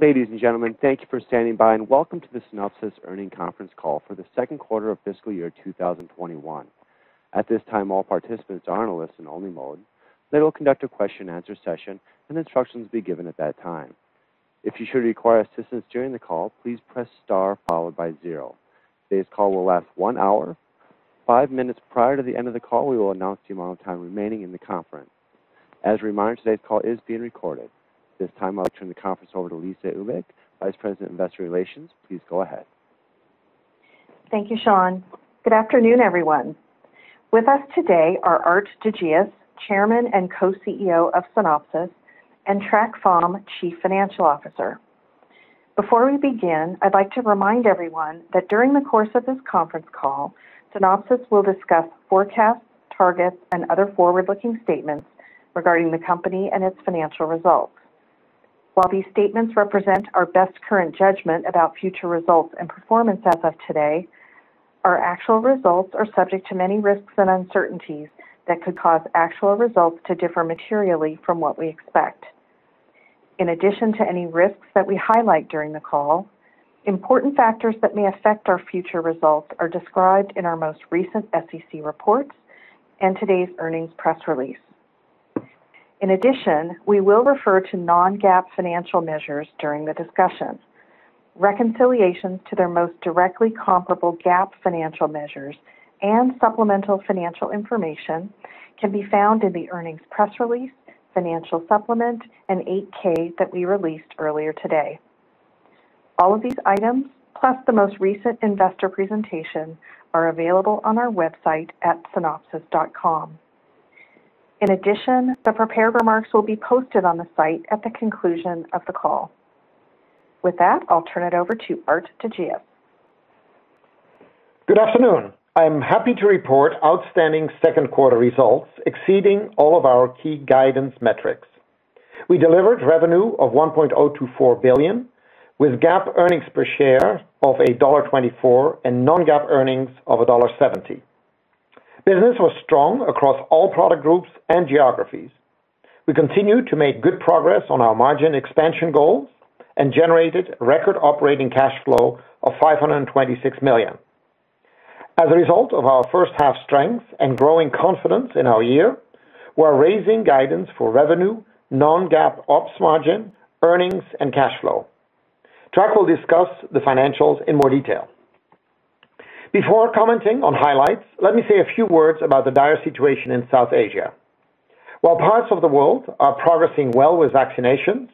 Ladies and gentlemen, thank you for standing by and welcome to the Synopsys earnings conference call for the second quarter of fiscal year 2021. At this time, all participants are in a listen-only mode. We'll conduct a question-and-answer session and instructions will be given at that time. If you should require assistance during the call, please press star followed by zero. Today's call will last one hour. Five minutes prior to the end of the call, we will announce the amount of time remaining in the conference. As a reminder, today's call is being recorded. At this time, I'll turn the conference over to Lisa Ewbank, Vice President of Investor Relations. Please go ahead. Thank you, Sean. Good afternoon, everyone. With us today are Aart de Geus, Chairman and Co-CEO of Synopsys, and Trac Pham, Chief Financial Officer. Before we begin, I'd like to remind everyone that during the course of this conference call, Synopsys will discuss forecasts, targets, and other forward-looking statements regarding the company and its financial results. While these statements represent our best current judgment about future results and performance as of today, our actual results are subject to many risks and uncertainties that could cause actual results to differ materially from what we expect. In addition to any risks that we highlight during the call, important factors that may affect our future results are described in our most recent SEC reports and today's earnings press release. In addition, we will refer to non-GAAP financial measures during the discussion. Reconciliations to their most directly comparable GAAP financial measures and supplemental financial information can be found in the earnings press release, financial supplement, and 8-K that we released earlier today. All of these items, plus the most recent investor presentation, are available on our website at synopsys.com. In addition, the prepared remarks will be posted on the site at the conclusion of the call. With that, I'll turn it over to Aart de Geus. Good afternoon. I'm happy to report outstanding second quarter results exceeding all of our key guidance metrics. We delivered revenue of $1.024 billion with GAAP earnings per share of $1.24 and non-GAAP earnings of $1.70. Business was strong across all product groups and geographies. We continued to make good progress on our margin expansion goals and generated record operating cash flow of $526 million. As a result of our first half strength and growing confidence in our year, we're raising guidance for revenue, non-GAAP ops margin, earnings, and cash flow. Trac will discuss the financials in more detail. Before commenting on highlights, let me say a few words about the dire situation in South Asia. While parts of the world are progressing well with vaccinations,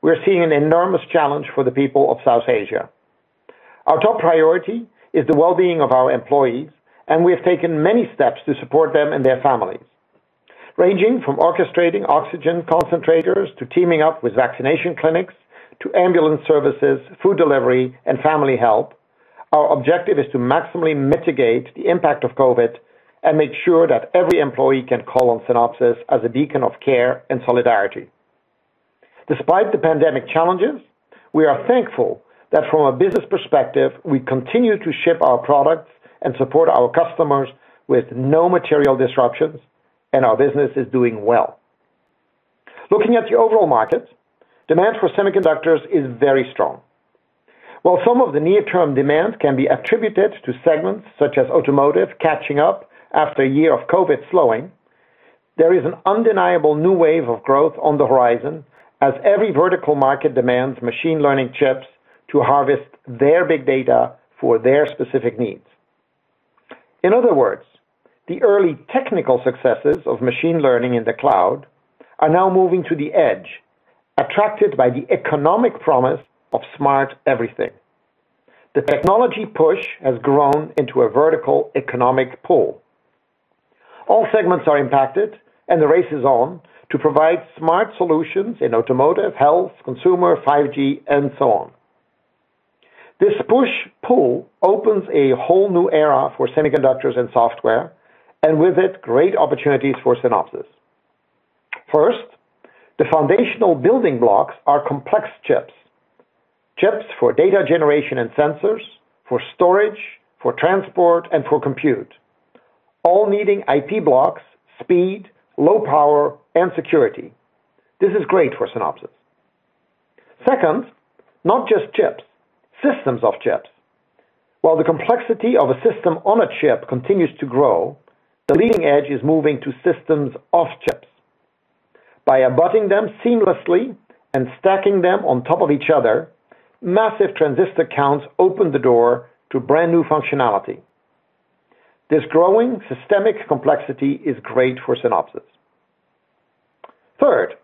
we are seeing an enormous challenge for the people of South Asia. Our top priority is the well-being of our employees, and we have taken many steps to support them and their families, ranging from orchestrating oxygen concentrators to teaming up with vaccination clinics, to ambulance services, food delivery, and family help. Our objective is to maximally mitigate the impact of COVID and make sure that every employee can call on Synopsys as a beacon of care and solidarity. Despite the pandemic challenges, we are thankful that from a business perspective, we continue to ship our products and support our customers with no material disruptions, and our business is doing well. Looking at the overall markets, demand for semiconductors is very strong. While some of the near-term demand can be attributed to segments such as automotive catching up after a year of COVID slowing, there is an undeniable new wave of growth on the horizon as every vertical market demands machine learning chips to harvest their big data for their specific needs. In other words, the early technical successes of machine learning in the cloud are now moving to the edge, attracted by the economic promise of Smart Everything. The technology push has grown into a vertical economic pull. All segments are impacted, and the race is on to provide smart solutions in automotive, health, consumer, 5G, and so on. This push-pull opens a whole new era for semiconductors and software, and with it, great opportunities for Synopsys. First, the foundational building blocks are complex chips. Chips for data generation and sensors, for storage, for transport, and for compute, all needing IP blocks, speed, low power, and security. This is great for Synopsys. Second, not just chips, systems of chips. While the complexity of a system on a chip continues to grow, the leading edge is moving to systems of chips. By abutting them seamlessly and stacking them on top of each other, massive transistor counts open the door to brand-new functionality. This growing systemic complexity is great for Synopsys. Third,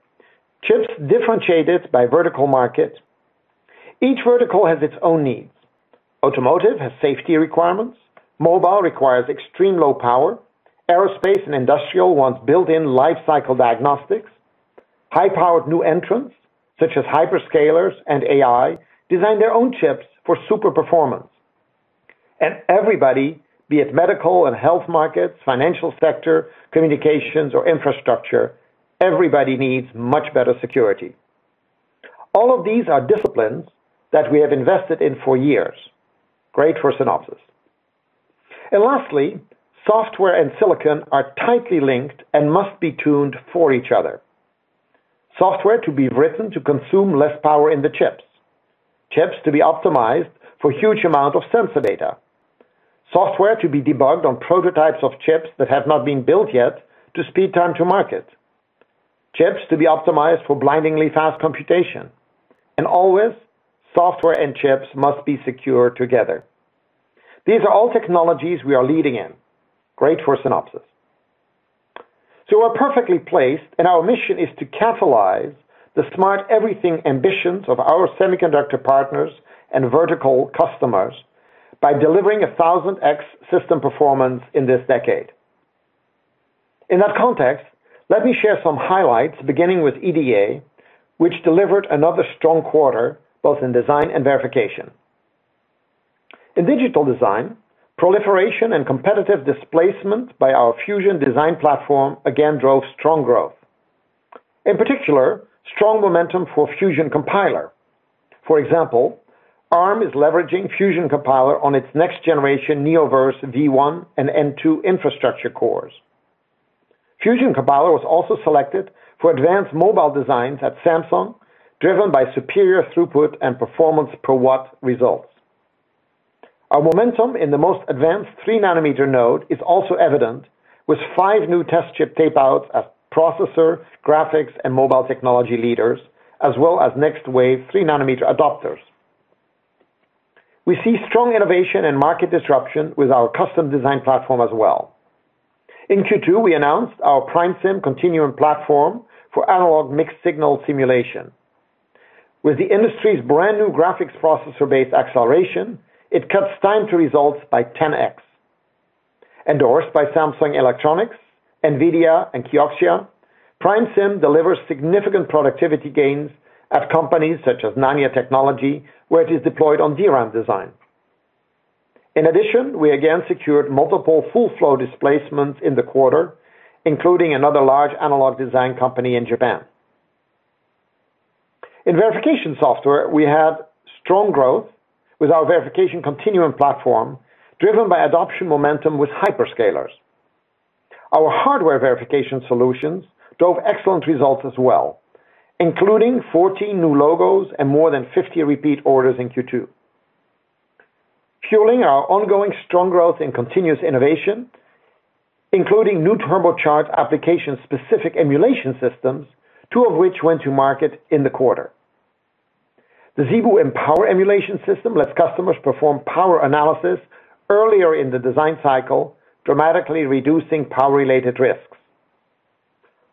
chips differentiated by vertical market. Each vertical has its own needs. Automotive has safety requirements. Mobile requires extreme low power. Aerospace and industrial wants built-in life cycle diagnostics. High-powered new entrants, such as hyperscalers and AI, design their own chips for super performance. Everybody, be it medical and health markets, financial sector, communications, or infrastructure, everybody needs much better security. All of these are disciplines that we have invested in for years. Great for Synopsys. Lastly, software and silicon are tightly linked and must be tuned for each other. Software to be written to consume less power in the chips. Chips to be optimized for huge amount of sensor data. Software to be debugged on prototypes of chips that have not been built yet to speed time to market. Chips to be optimized for blindingly fast computation. Always, software and chips must be secure together. These are all technologies we are leading in. Great for Synopsys. We're perfectly placed, and our mission is to catalyze the Smart Everything ambitions of our semiconductor partners and vertical customers by delivering 1,000x system performance in this decade. In that context, let me share some highlights, beginning with EDA, which delivered another strong quarter, both in design and verification. In digital design, proliferation and competitive displacement by our Fusion Design Platform again drove strong growth. In particular, strong momentum for Fusion Compiler. For example, Arm is leveraging Fusion Compiler on its next generation Neoverse V1 and N2 infrastructure cores. Fusion Compiler was also selected for advanced mobile designs at Samsung, driven by superior throughput and performance per watt results. Our momentum in the most advanced 3 nm node is also evident with five new test chip tape-outs as processor, graphics, and mobile technology leaders, as well as next wave 3 nm adopters. We see strong innovation and market disruption with our custom design platform as well. In Q2, we announced our PrimeSim Continuum platform for analog mixed-signal simulation. With the industry's brand-new graphics processor-based acceleration, it cuts time to results by 10x. Endorsed by Samsung Electronics, NVIDIA, and Kioxia, PrimeSim delivers significant productivity gains at companies such as Nanya Technology, where it is deployed on DRAM design. In addition, we again secured multiple full flow displacements in the quarter, including another large analog design company in Japan. In verification software, we had strong growth with our Verification Continuum platform driven by adoption momentum with hyperscalers. Our hardware verification solutions drove excellent results as well, including 14 new logos and more than 50 repeat orders in Q2. Fueling our ongoing strong growth in continuous innovation, including new turbocharge application-specific emulation systems, two of which went to market in the quarter. The ZeBu Empower emulation system lets customers perform power analysis earlier in the design cycle, dramatically reducing power-related risks.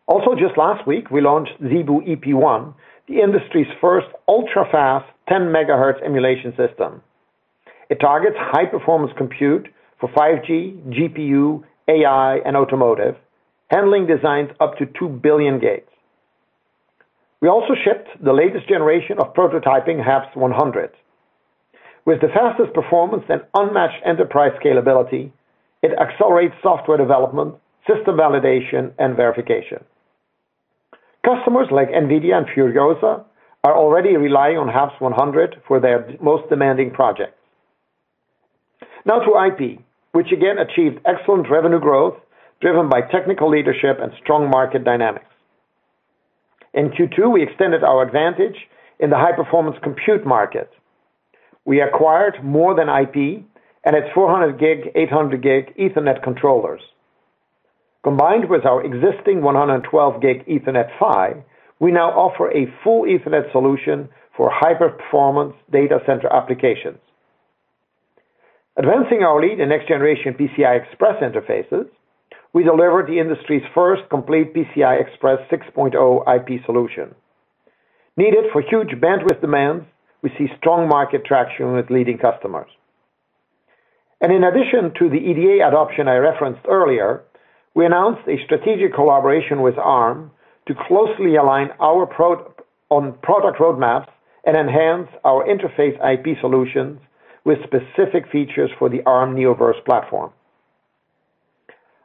Also, just last week, we launched ZeBu EP1, the industry's first ultra-fast 10 MHz emulation system. It targets high-performance compute for 5G, GPU, AI, and automotive, handling designs up to 2 billion gates. We also shipped the latest generation of prototyping HAPS-100. With the fastest performance and unmatched enterprise scalability, it accelerates software development, system validation, and verification. Customers like NVIDIA and Furiosa are already relying on HAPS-100 for their most demanding projects. Now to IP, which again achieved excellent revenue growth driven by technical leadership and strong market dynamics. In Q2, we extended our advantage in the high-performance compute market. We acquired MorethanIP and its 400G, 800G Ethernet controllers. Combined with our existing 112G Ethernet PHY, we now offer a full Ethernet solution for high-performance data center applications. Advancing our lead in next generation PCI Express interfaces, we delivered the industry's first complete PCI Express 6.0 IP solution. Needed for huge bandwidth demands, we see strong market traction with leading customers. In addition to the EDA adoption I referenced earlier, we announced a strategic collaboration with Arm to closely align on product roadmaps and enhance our interface IP solutions with specific features for the Arm Neoverse platform.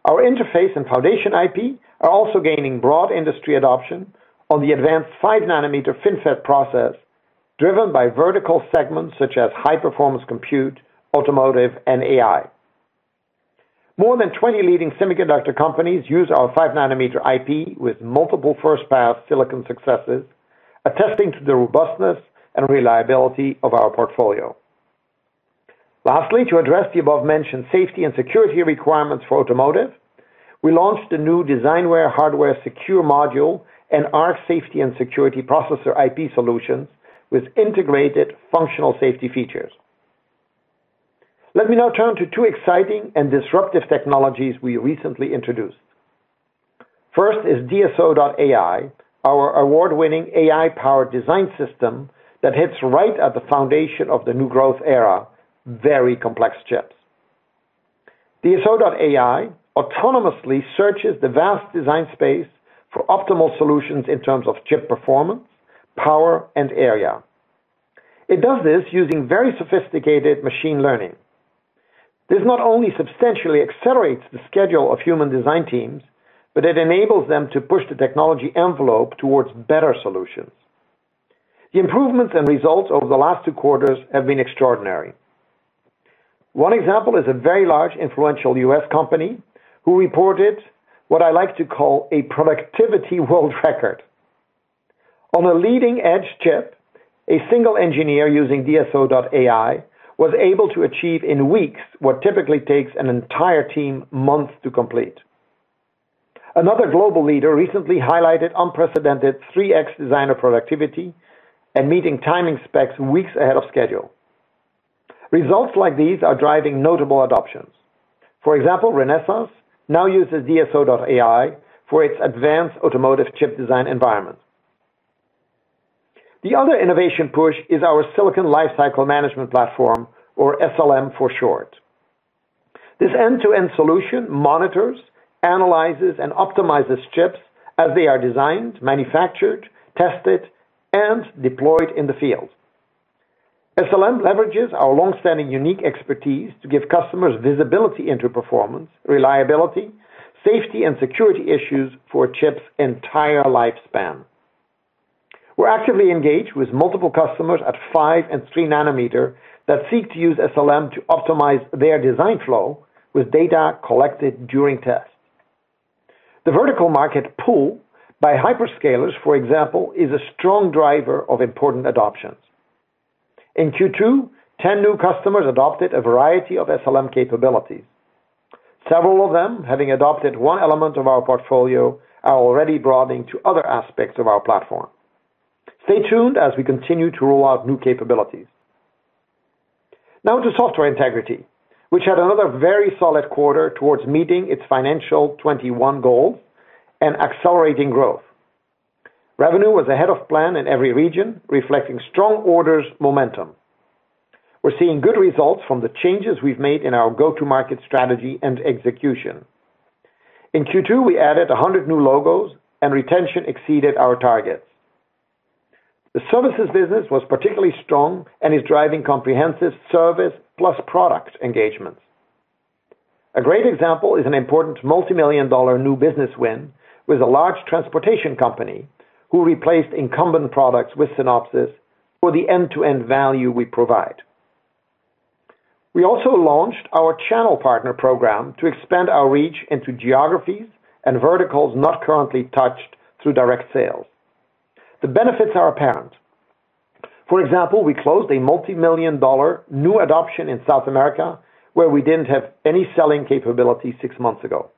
Our interface and foundation IP are also gaining broad industry adoption on the advanced 5 nm FinFET process, driven by vertical segments such as high-performance compute, automotive, and AI. More than 20 leading semiconductor companies use our 5 nm IP with multiple first-pass silicon successes, attesting to the robustness and reliability of our portfolio. Lastly, to address the above-mentioned safety and security requirements for automotive, we launched a new DesignWare hardware secure module and our safety and security processor IP solutions with integrated functional safety features. Let me now turn to two exciting and disruptive technologies we recently introduced. First is DSO.ai, our award-winning AI-powered design system that hits right at the foundation of the new growth era, very complex chips. DSO.ai autonomously searches the vast design space for optimal solutions in terms of chip performance, power, and area. It does this using very sophisticated machine learning. This not only substantially accelerates the schedule of human design teams, but it enables them to push the technology envelope towards better solutions. The improvements and results over the last two quarters have been extraordinary. One example is a very large influential U.S. company who reported what I like to call a productivity world record. On a leading-edge chip, a single engineer using DSO.ai was able to achieve in weeks what typically takes an entire team months to complete. Another global leader recently highlighted unprecedented 3x designer productivity and meeting timing specs weeks ahead of schedule. Results like these are driving notable adoptions. For example, Renesas now uses DSO.ai for its advanced automotive chip design environment. The other innovation push is our Silicon Lifecycle Management platform, or SLM for short. This end-to-end solution monitors, analyzes, and optimizes chips as they are designed, manufactured, tested, and deployed in the field. SLM leverages our long-standing unique expertise to give customers visibility into performance, reliability, safety, and security issues for a chip's entire lifespan. We're actively engaged with multiple customers at 5 nm and 3 nm that seek to use SLM to optimize their design flow with data collected during tests. The vertical market pull by hyperscalers, for example, is a strong driver of important adoptions. In Q2, 10 new customers adopted a variety of SLM capabilities. Several of them, having adopted one element of our portfolio, are already broadening to other aspects of our platform. Stay tuned as we continue to roll out new capabilities. Now to Software Integrity, which had another very solid quarter towards meeting its financial 2021 goals and accelerating growth. Revenue was ahead of plan in every region, reflecting strong orders momentum. We're seeing good results from the changes we've made in our go-to-market strategy and execution. In Q2, we added 100 new logos, and retention exceeded our targets. The services business was particularly strong and is driving comprehensive service plus product engagements. A great example is an important multimillion-dollar new business win with a large transportation company who replaced incumbent products with Synopsys for the end-to-end value we provide. We also launched our channel partner program to expand our reach into geographies and verticals not currently touched through direct sales. The benefits are apparent. For example, we closed a multimillion-dollar new adoption in South America, where we didn't have any selling capability six months ago.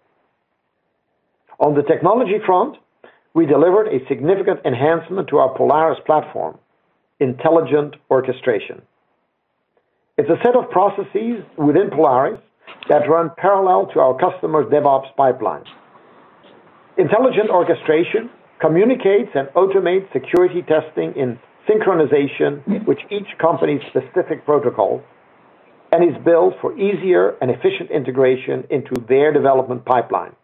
On the technology front, we delivered a significant enhancement to our Polaris platform, Intelligent Orchestration. It's a set of processes within Polaris that run parallel to our customer DevOps pipelines. Intelligent Orchestration communicates and automates security testing in synchronization with each company's specific protocols and is built for easier and efficient integration into their development pipeline.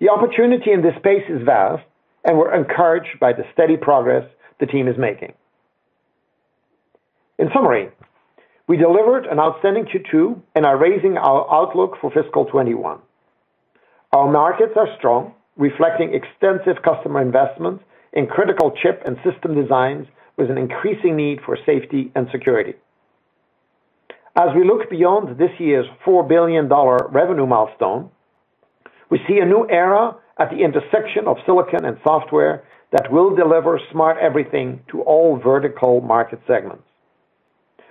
The opportunity in this space is vast, and we're encouraged by the steady progress the team is making. In summary, we delivered an outstanding Q2 and are raising our outlook for fiscal 2021. Our markets are strong, reflecting extensive customer investment in critical chip and system designs with an increasing need for safety and security. As we look beyond this year's $4 billion revenue milestone, we see a new era at the intersection of silicon and software that will deliver Smart Everything to all vertical market segments.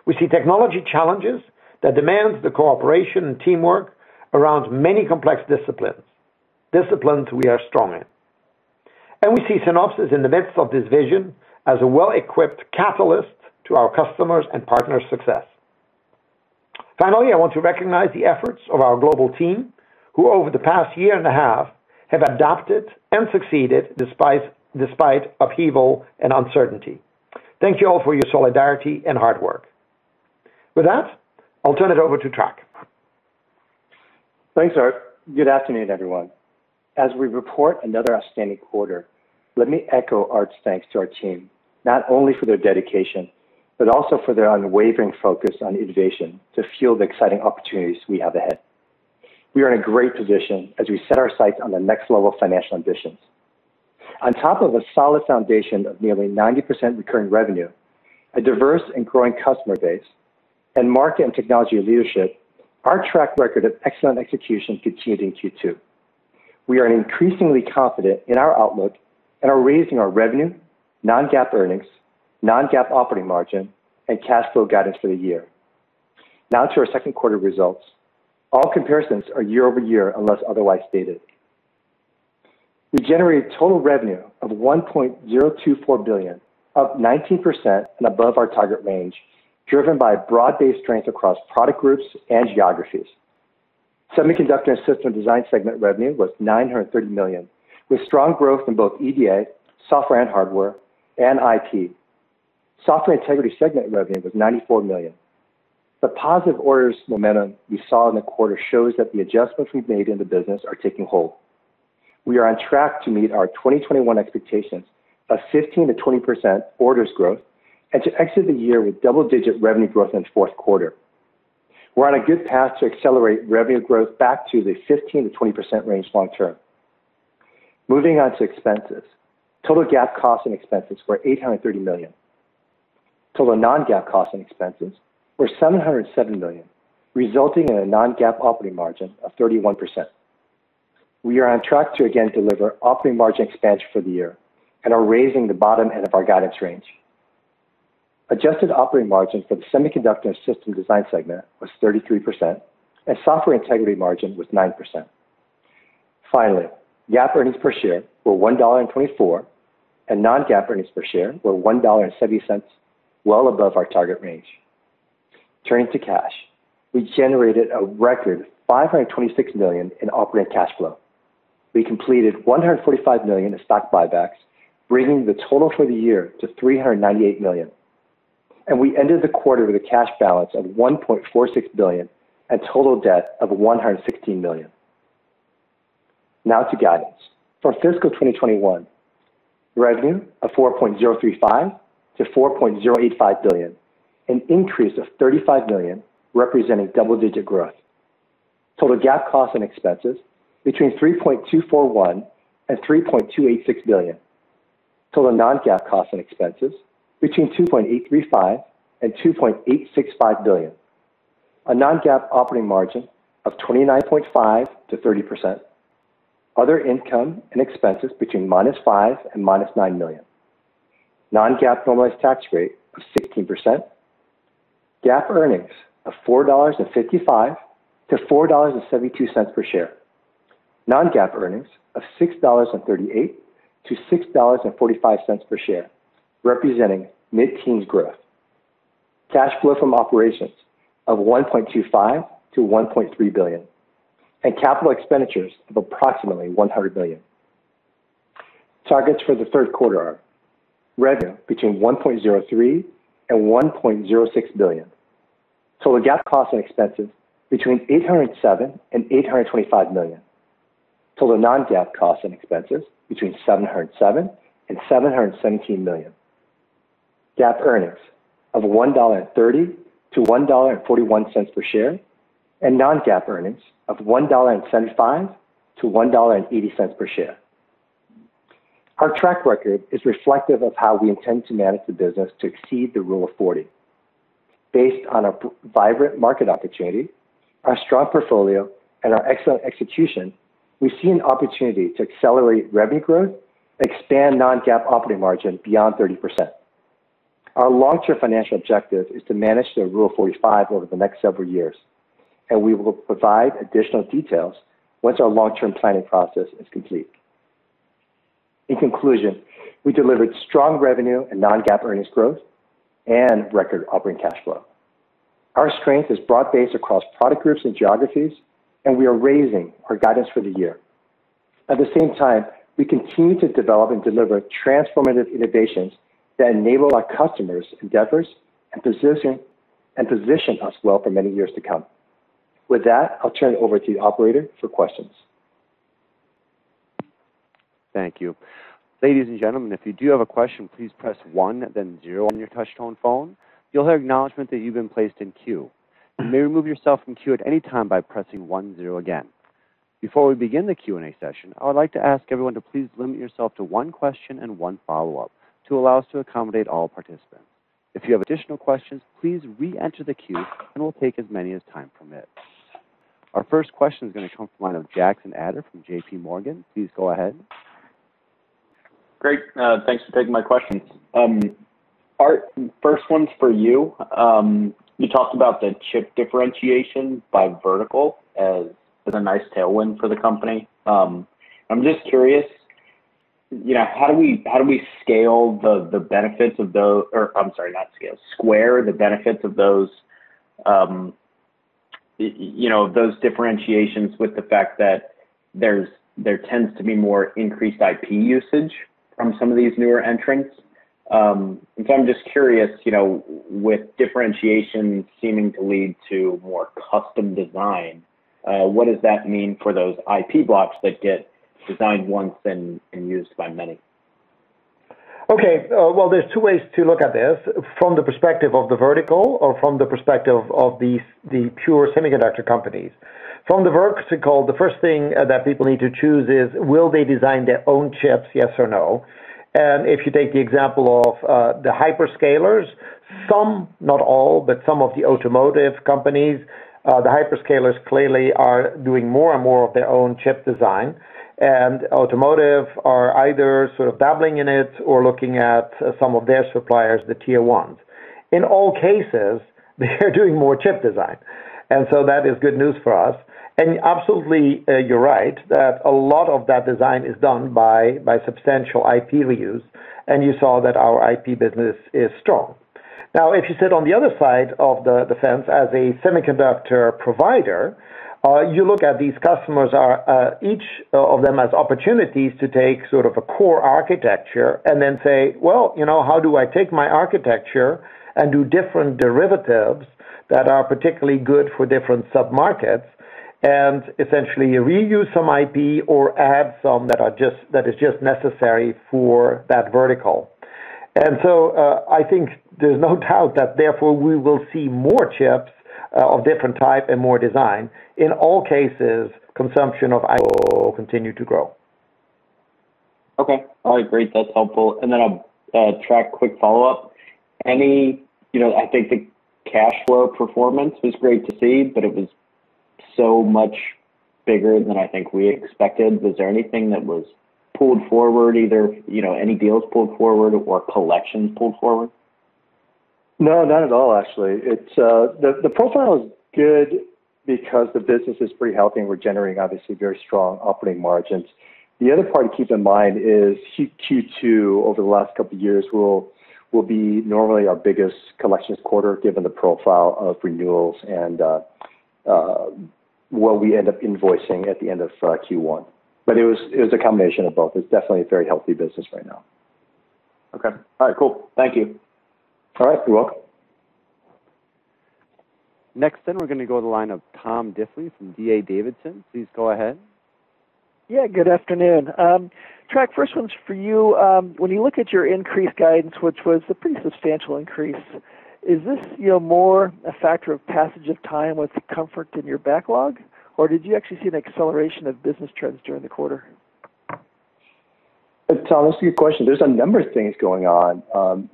We see technology challenges that demands the cooperation and teamwork around many complex disciplines we are strong in. We see Synopsys in the midst of this vision as a well-equipped catalyst to our customers' and partners' success. Finally, I want to recognize the efforts of our global team, who over the past year and a half have adapted and succeeded despite upheaval and uncertainty. Thank you all for your solidarity and hard work. With that, I'll turn it over to Trac. Thanks, Aart. Good afternoon, everyone. As we report another outstanding quarter, let me echo Aart's thanks to our team, not only for their dedication, but also for their unwavering focus on innovation to fuel the exciting opportunities we have ahead. We are in great position as we set our sights on the next level of financial ambitions. On top of a solid foundation of nearly 90% recurring revenue, a diverse and growing customer base, and market and technology leadership, our track record of excellent execution continued in Q2. We are increasingly confident in our outlook and are raising our revenue, non-GAAP earnings, non-GAAP operating margin, and cash flow guidance for the year. To our second quarter results. All comparisons are year-over-year, unless otherwise stated. We generated total revenue of $1.024 billion, up 19% and above our target range, driven by broad-based strength across product groups and geographies. Semiconductor & System Design segment revenue was $930 million, with strong growth in both EDA, software and hardware, and IP. Software Integrity segment revenue was $94 million. The positive orders momentum we saw in the quarter shows that the adjustments we've made in the business are taking hold. We are on track to meet our 2021 expectations of 15%-20% orders growth and to exit the year with double-digit revenue growth in the fourth quarter. We're on a good path to accelerate revenue growth back to the 15%-20% range long-term. Moving on to expenses. Total GAAP costs and expenses were $830 million. Total non-GAAP costs and expenses were $707 million, resulting in a non-GAAP operating margin of 31%. We are on track to again deliver operating margin expansion for the year and are raising the bottom end of our guidance range. Adjusted operating margin for the Semiconductor & System Design segment was 33%, and Software Integrity margin was 9%. Finally, GAAP earnings per share were $1.24, and non-GAAP earnings per share were $1.70, well above our target range. Turning to cash. We generated a record $526 million in operating cash flow. We completed $145 million of stock buybacks, bringing the total for the year to $398 million, and we ended the quarter with a cash balance of $1.46 billion and total debt of $116 million. Now to guidance. For fiscal 2021, revenue of $4.035 billion-$4.085 billion, an increase of $35 million, representing double-digit growth. Total GAAP costs and expenses between $3.241 billion and $3.286 billion. Total non-GAAP costs and expenses between $2.835 billion and $2.865 billion. A non-GAAP operating margin of 29.5%-30%. Other income and expenses between -$5 million and -$9 million. Non-GAAP normalized tax rate of 16%. GAAP earnings of $4.55-$4.72 per share. Non-GAAP earnings of $6.38-$6.45 per share, representing mid-teens growth. Cash flow from operations of $1.25 billion-$1.3 billion. Capital expenditures of approximately $100 million. Targets for the third quarter are: revenue between $1.03 billion and $1.06 billion. Total GAAP cost and expenses between $807 million and $825 million. Total non-GAAP costs and expenses between $707 million and $717 million. GAAP earnings of $1.30-$1.41 per share, and non-GAAP earnings of $1.75-$1.80 per share. Our track record is reflective of how we intend to manage the business to exceed the Rule of 40. Based on a vibrant market opportunity, our strong portfolio, and our excellent execution, we see an opportunity to accelerate revenue growth and expand non-GAAP operating margin beyond 30%. Our long-term financial objective is to manage the Rule of 45 over the next several years, and we will provide additional details once our long-term planning process is complete. In conclusion, we delivered strong revenue and non-GAAP earnings growth and record operating cash flow. Our strength is broad-based across product groups and geographies, and we are raising our guidance for the year. At the same time, we continue to develop and deliver transformative innovations that enable our customers' endeavors and position us well for many years to come. With that, I'll turn it over to the operator for questions. Thank you. Ladies and gentlemen, if you do have a question, please press one, then zero on your touch-tone phone. You'll hear acknowledgment that you've been placed in queue. You may remove yourself from queue at any time by pressing one zero again. Before we begin the Q&A session, I would like to ask everyone to please limit yourself to one question and one follow-up to allow us to accommodate all participants. If you have additional questions, please re-enter the queue, and we'll take as many as time permits. Our first question is going to come from the line of Jackson Ader from JPMorgan. Please go ahead. Great. Thanks for taking my questions. Aart, first one's for you. You talked about the chip differentiation by vertical as a nice tailwind for the company. I'm just curious, how do we scale the benefits of those or I'm sorry, not scale, square the benefits of those differentiations with the fact that there tends to be more increased IP usage from some of these newer entrants? I'm just curious, with differentiation seeming to lead to more custom design, what does that mean for those IP blocks that get designed once and used by many? Okay. Well, there's two ways to look at this, from the perspective of the vertical or from the perspective of the pure semiconductor companies. From the vertical, the first thing that people need to choose is will they design their own chips, yes or no? If you take the example of the hyperscalers, some, not all, but some of the automotive companies, the hyperscalers clearly are doing more and more of their own chip design, and automotive are either sort of dabbling in it or looking at some of their suppliers, the Tier 1s. In all cases, they're doing more chip design, and so that is good news for us. Absolutely, you're right that a lot of that design is done by substantial IP reuse, and you saw that our IP business is strong. Now, if you sit on the other side of the fence as a semiconductor provider, you look at these customers, each of them as opportunities to take sort of a core architecture and then say, "Well, how do I take my architecture and do different derivatives that are particularly good for different sub-markets?" Essentially, you reuse some IP or add some that is just necessary for that vertical. I think there's no doubt that therefore we will see more chips of different type and more design. In all cases, consumption of IP will continue to grow. Okay. All right, great. That's helpful. Then Trac, quick follow-up. I think the cash flow performance is great to see, but it was so much bigger than I think we had expected. Was there anything that was pulled forward, either any deals pulled forward or collections pulled forward? No, not at all, actually. The profile is good because the business is pretty healthy and we're generating obviously very strong operating margins. The other part to keep in mind is Q2 over the last couple of years will be normally our biggest collections quarter given the profile of renewals and what we end up invoicing at the end of Q1. It was a combination of both. It's definitely a very healthy business right now. Okay. All right, cool. Thank you. All right, you're welcome. Next we're going to go to the line of Tom Diffely from D.A. Davidson. Please go ahead. Yeah, good afternoon. Trac, first one's for you. When you look at your increased guidance, which was a pretty substantial increase, is this more a factor of passage of time with comfort in your backlog, or did you actually see an acceleration of business trends during the quarter? Tom, it's a good question. There's a number of things going on.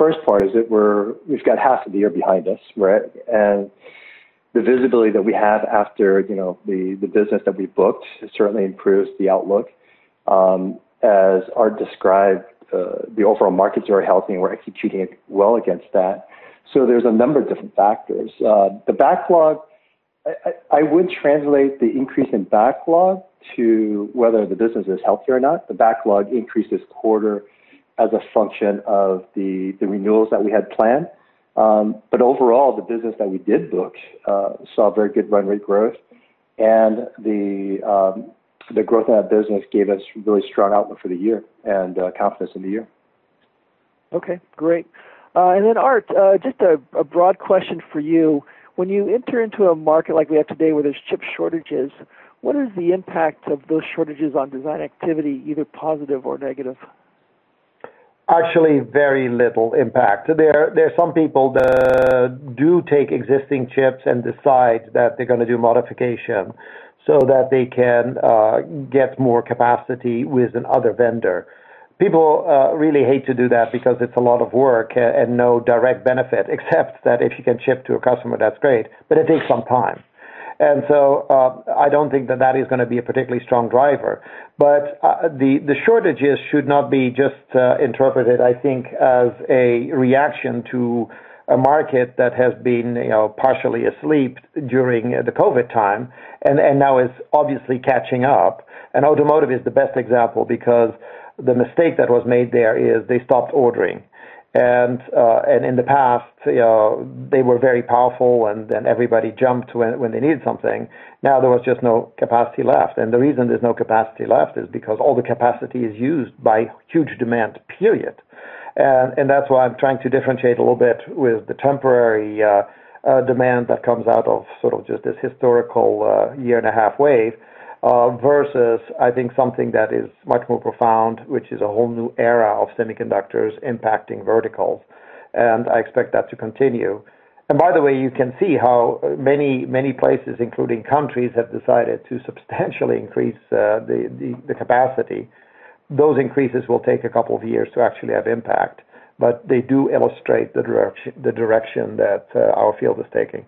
First part is that we've got half the year behind us, right? The visibility that we have after the business that we booked, it certainly improves the outlook. As Aart described, the overall markets are healthy and we're executing well against that. There's a number of different factors. The backlog, I wouldn't translate the increase in backlog to whether the business is healthy or not. The backlog increased this quarter as a function of the renewals that we had planned. Overall, the business that we did book saw very good run rate growth, and the growth in that business gave us really strong outlook for the year and confidence in the year. Okay, great. Aart, just a broad question for you. When you enter into a market like we have today where there's chip shortages, what is the impact of those shortages on design activity, either positive or negative? Actually, very little impact. There's some people that do take existing chips and decide that they're going to do modification so that they can get more capacity with another vendor. People really hate to do that because it's a lot of work and no direct benefit, except that if you can ship to a customer, that's great, but it takes some time. I don't think that is going to be a particularly strong driver. The shortages should not be just interpreted, I think, as a reaction to a market that has been partially asleep during the COVID time and now is obviously catching up. Automotive is the best example because the mistake that was made there is they stopped ordering. In the past, they were very powerful and then everybody jumped when they needed something. Now there was just no capacity left. The reason there's no capacity left is because all the capacity is used by huge demand, period. That's why I'm trying to differentiate a little bit with the temporary demand that comes out of sort of just this historical year and a half wave, versus I think something that is much more profound, which is a whole new era of semiconductors impacting verticals. I expect that to continue. By the way, you can see how many places, including countries, have decided to substantially increase the capacity. Those increases will take a couple of years to actually have impact, but they do illustrate the direction that our field is taking.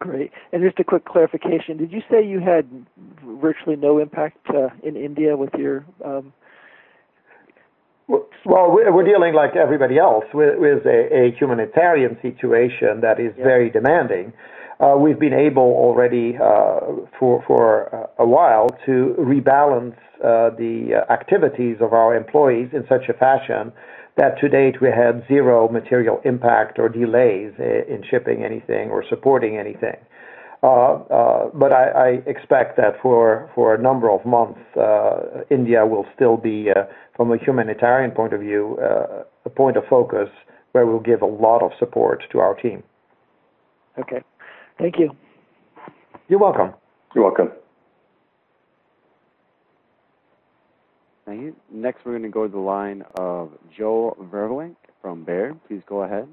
Great. Just a quick clarification. Did you say you had virtually no impact in India with your? Well, we're dealing like everybody else with a humanitarian situation that is very demanding. We've been able already for a while to rebalance the activities of our employees in such a fashion that to date we had zero material impact or delays in shipping anything or supporting anything. I expect that for a number of months, India will still be, from a humanitarian point of view, a point of focus where we'll give a lot of support to our team. Okay. Thank you. You're welcome. Thank you. Next, we're going to go to the line of Joe Vruwink from Baird. Please go ahead.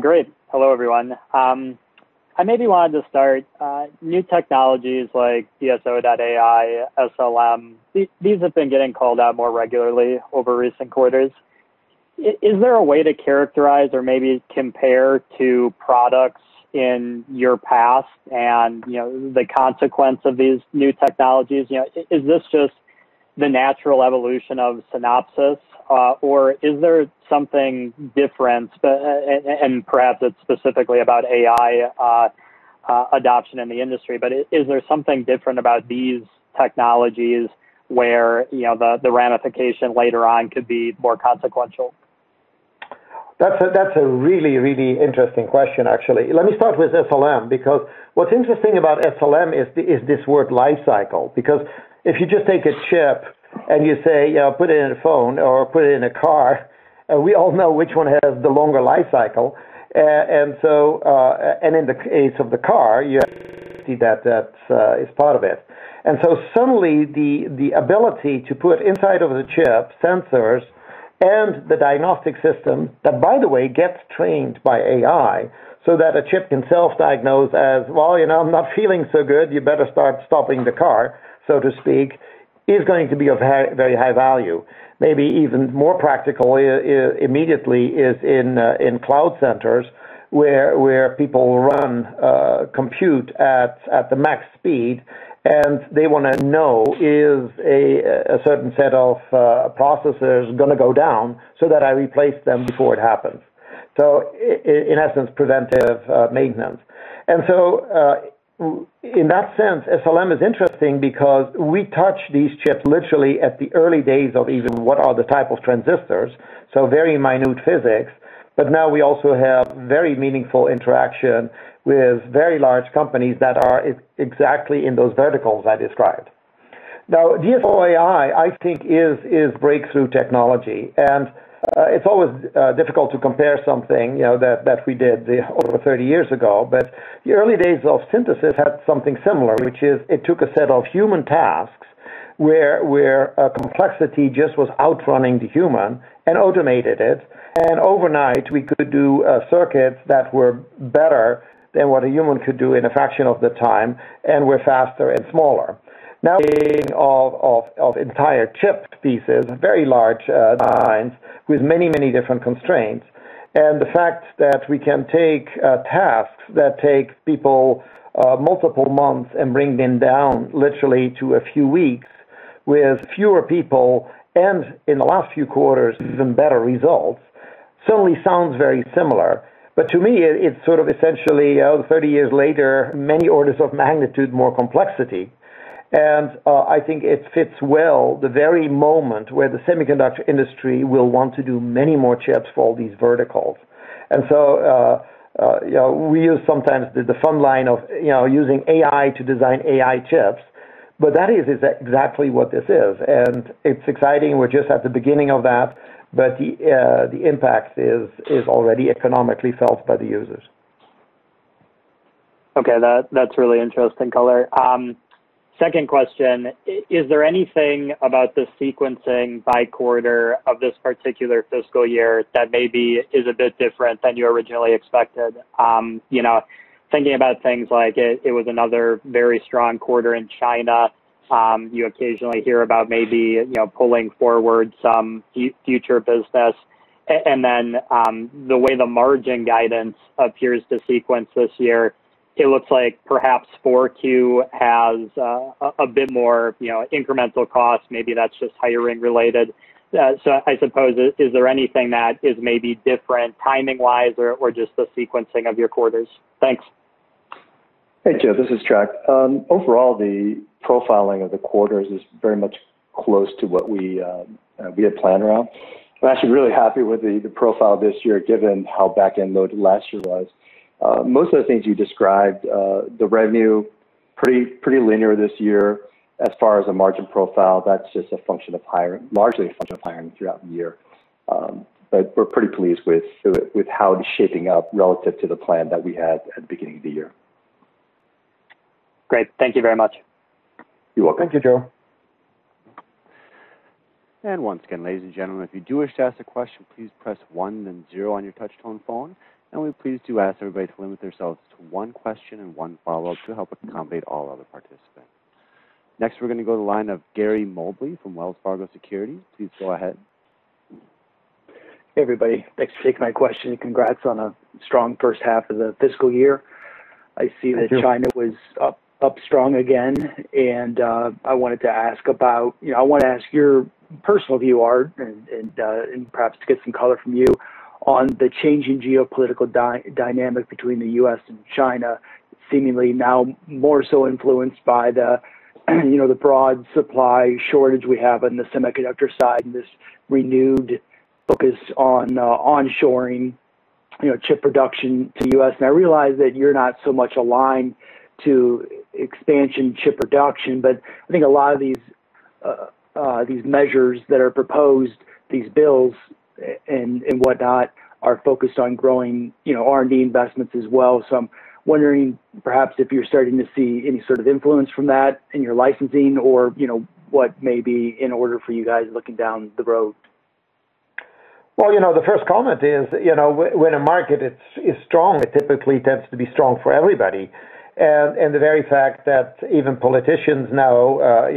Great. Hello, everyone. I maybe wanted to start, new technologies like DSO.ai, SLM, these have been getting called out more regularly over recent quarters. Is there a way to characterize or maybe compare to products in your past and the consequence of these new technologies? Is this just the natural evolution of Synopsys? Or is there something different, and perhaps it's specifically about AI adoption in the industry, but is there something different about these technologies where the ramification later on could be more consequential? That's a really, really interesting question, actually. Let me start with SLM, because what's interesting about SLM is this word lifecycle. If you just take a chip and you say, put it in a phone or put it in a car, we all know which one has the longer lifecycle. In the case of the car, you obviously see that is part of it. Suddenly, the ability to put inside of a chip sensors. The diagnostic system that, by the way, gets trained by AI so that a chip can self-diagnose as, "Well, I'm not feeling so good. You better start stopping the car," so to speak, is going to be of very high value. Maybe even more practical immediately is in cloud centers where people run compute at the max speed, and they want to know if a certain set of processors is going to go down so that I replace them before it happens. In essence, preventative maintenance. In that sense, SLM is interesting because we touch these chips literally at the early days of even what are the type of transistors, so very minute physics. Now we also have very meaningful interaction with very large companies that are exactly in those verticals I described. DSO.ai, I think is breakthrough technology. It's always difficult to compare something that we did over 30 years ago. The early days of synthesis had something similar, which is it took a set of human tasks where complexity just was outrunning the human and automated it. Overnight we could do circuits that were better than what a human could do in a fraction of the time and were faster and smaller. Now of entire chip pieces, very large designs with many, many different constraints. The fact that we can take tasks that take people multiple months and bring them down literally to a few weeks with fewer people, and in the last few quarters, even better results, certainly sounds very similar. To me, it's sort of essentially, 30 years later, many orders of magnitude more complexity. I think it fits well the very moment where the semiconductor industry will want to do many more chips for all these verticals. We use sometimes the fun line of using AI to design AI chips, but that is exactly what this is, and it's exciting. We're just at the beginning of that, but the impact is already economically felt by the users. Okay. That's really interesting color. Second question. Is there anything about the sequencing by quarter of this particular fiscal year that maybe is a bit different than you originally expected? Thinking about things like it was another very strong quarter in China. You occasionally hear about maybe pulling forward some future business, and then the way the margin guidance appears to sequence this year, it looks like perhaps 4Q has a bit more incremental cost. Maybe that's just hiring related. I suppose, is there anything that is maybe different timing-wise or just the sequencing of your quarters? Thanks. Hey, Joe, this is Trac. Overall, the profiling of the quarters is very much close to what we had planned around. I'm actually really happy with the profile this year, given how back-end loaded last year was. Most of the things you described, the revenue, pretty linear this year as far as a margin profile. That's just largely a function of hiring throughout the year. We're pretty pleased with how it is shaping up relative to the plan that we had at the beginning of the year. Great. Thank you very much. You're welcome. Thank you, Joe. Once again, ladies and gentlemen, if you do wish to ask a question, please press one then zero on your touch-tone phone. We please do ask everybody to limit themselves to one question and one follow-up to help accommodate all other participants. Next, we're going to go to the line of Gary Mobley from Wells Fargo Securities. Please go ahead. Hey, everybody. Thanks for taking my question, and congrats on a strong first half of the fiscal year. I see that China was up strong again. I wanted to ask your personal view, Aart, and perhaps to get some color from you on the changing geopolitical dynamic between the U.S. and China, seemingly now more so influenced by the broad supply shortage we have on the semiconductor side and this renewed focus on onshoring chip production to the U.S. I realize that you're not so much aligned to expansion chip production, but I think a lot of these measures that are proposed, these bills and whatnot, are focused on growing R&D investments as well. I'm wondering perhaps if you're starting to see any sort of influence from that in your licensing or what may be in order for you guys looking down the road. Well, the first comment is when a market is strong, it typically tends to be strong for everybody. The very fact that even politicians now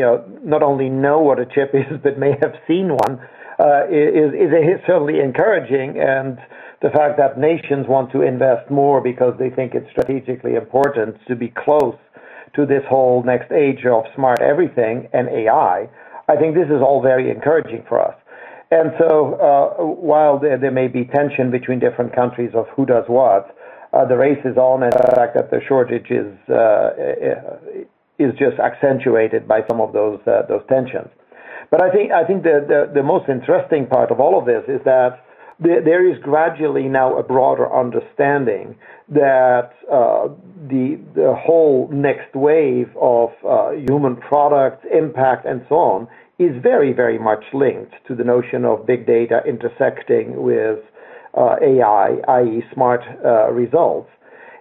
not only know what a chip is but may have seen one, is certainly encouraging. The fact that nations want to invest more because they think it's strategically important to be close to this whole next age of Smart Everything and AI, I think this is all very encouraging for us. So, while there may be tension between different countries of who does what, the race is on, and the fact that the shortage is just accentuated by some of those tensions. I think the most interesting part of all of this is that there is gradually now a broader understanding that the whole next wave of human product impact and so on is very, very much linked to the notion of big data intersecting with AI, i.e., smart results.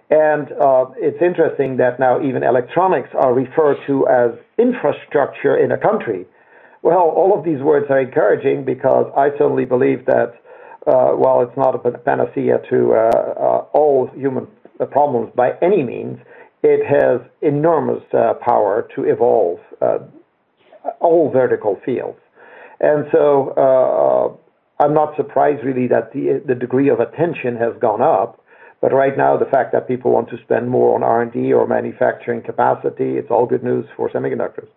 It's interesting that now even electronics are referred to as infrastructure in a country. Well, all of these words are encouraging because I certainly believe that while it's not a panacea to all human problems by any means, it has enormous power to evolve all vertical fields. I'm not surprised really that the degree of attention has gone up. Right now, the fact that people want to spend more on R&D or manufacturing capacity, it's all good news for semiconductors.